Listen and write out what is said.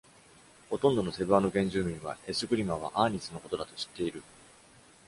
ほとんどのセブアノ原住民は、エスクリマはアーニスのことだと知っている。